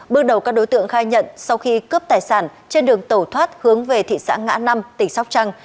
bước đầu các đối tượng khai nhận sau khi cướp tài sản trên đường tẩu thoát hướng về thị xã ngã năm tỉnh sóc trăng